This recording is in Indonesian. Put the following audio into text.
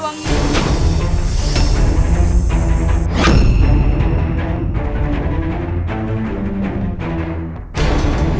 apa hal buat menyangkutmu